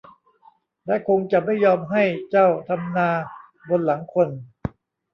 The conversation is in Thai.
และคงจะไม่ยอมให้เจ้าทำนาบนหลังคน